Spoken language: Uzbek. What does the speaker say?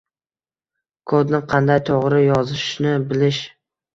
Kodni qanday to’g’ri yozishni bilish